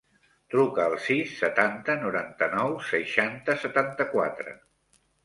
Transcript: Truca al sis, setanta, noranta-nou, seixanta, setanta-quatre.